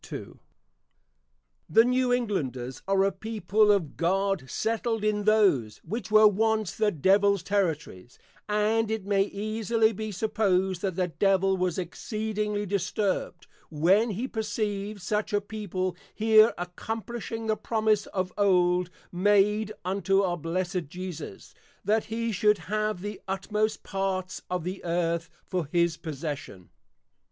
§ II. The New Englanders are a People of God settled in those, which were once the Devil's Territories; and it may easily be supposed that the Devil was exceedingly disturbed, when he perceived such a People here accomplishing the Promise of old made unto our Blessed Jesus, _That He should have the Utmost parts of the Earth for his Possession.